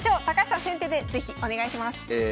高橋さん先手で是非お願いします。